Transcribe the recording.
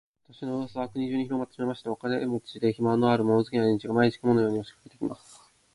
私の噂は国中にひろまってしまいました。お金持で、暇のある、物好きな連中が、毎日、雲のように押しかけて来ます。